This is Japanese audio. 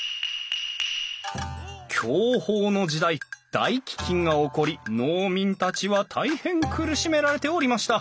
享保の時代大飢饉が起こり農民たちは大変苦しめられておりました。